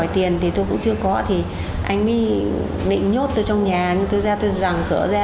thì tôi cũng chưa có thì anh mới nịnh nhốt tôi trong nhà tôi ra tôi rẳng cửa ra